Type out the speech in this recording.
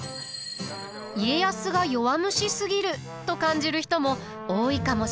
家康が弱虫すぎると感じる人も多いかもしれません。